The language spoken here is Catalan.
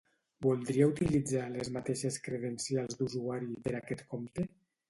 Voldria utilitzar les mateixes credencials d'usuari per aquest compte?